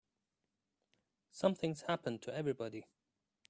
Something's happened to everybody.